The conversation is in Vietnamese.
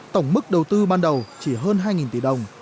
tổng mức đầu tư ban đầu chỉ hơn hai tỷ đồng